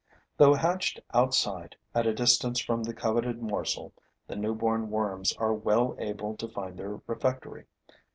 Though hatched outside, at a distance from the coveted morsel, the newborn worms are well able to find their refectory.